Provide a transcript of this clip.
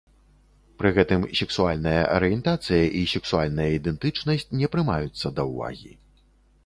Пры гэтым сексуальная арыентацыя і сексуальная ідэнтычнасць не прымаюцца да ўвагі.